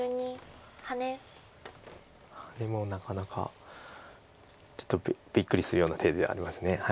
ハネもなかなかちょっとびっくりするような手ではあります。